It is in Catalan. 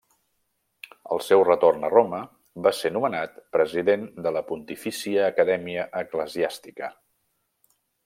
Al seu retorn a Roma, va ser nomenat president de la Pontifícia Acadèmia Eclesiàstica.